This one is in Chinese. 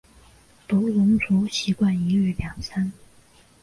独龙族习惯一日两餐。